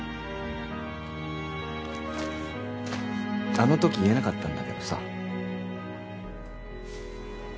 あのとき言えなかったんだけどさ。